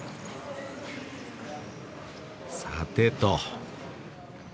さてと。